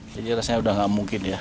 jadi rasanya udah gak mungkin ya